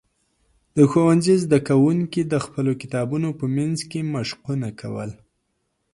د ښوونځي زده کوونکي د خپلو کتابونو په منځ کې مشقونه کول.